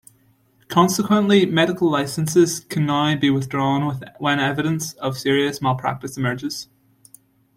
Consequently, medical licenses can now be withdrawn when evidence of serious malpractice emerges.